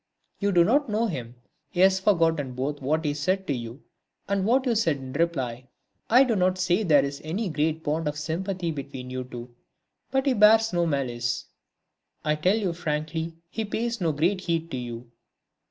You do not know him; he has forgotten both what he said to you and what you said in reply. I do not say there is any great bond of sympathy between you two; but he bears no malice; I tell you frankly he pays no great heed to you